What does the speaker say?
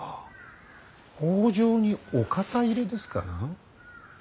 北条にお肩入れですかな。